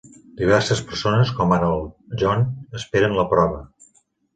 Diverses persones, com ara el John, esperen la prova.